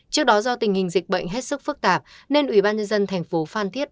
trước đó do tình hình dịch bệnh hết sức phức tạp nên ủy ban nhân dân thành phố phan thiết